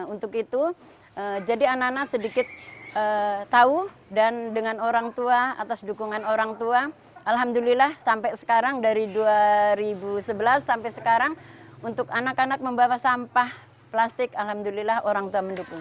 untuk itu jadi anak anak sedikit tahu dan dengan orang tua atas dukungan orang tua alhamdulillah sampai sekarang dari dua ribu sebelas sampai sekarang untuk anak anak membawa sampah plastik alhamdulillah orang tua mendukung